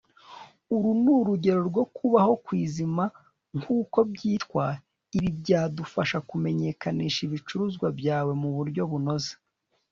uru nurugero rwo kubaho kwizima, nkuko byitwa. ibi byadufasha kumenyekanisha ibicuruzwa byawe muburyo bunoze